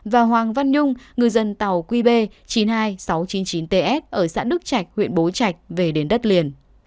và hoàng văn nhung ngư dân tàu qb chín mươi hai nghìn sáu trăm chín mươi chín ts ở xã đức trạch huyện bố trạch về đến đất liền